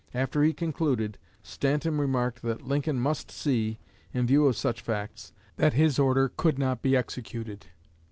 After he concluded, Stanton remarked that Lincoln must see, in view of such facts, that his order could not be executed.